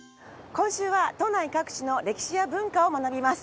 今週は都内各地の歴史や文化を学びます。